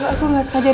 aku gak suka jadi